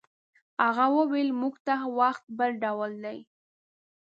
هغه وویل موږ ته وخت بل ډول دی.